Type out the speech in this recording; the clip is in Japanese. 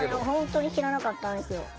本当に知らなかったんですよ。